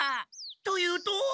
というと？